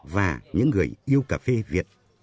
và những người yêu cà phê việt